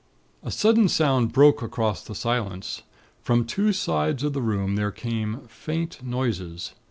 "A sudden sound broke across the silence. From two sides of the room there came faint noises.